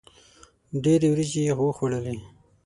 ډېري وریجي یې وخوړلې.